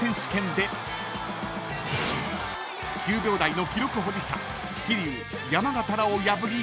［９秒台の記録保持者］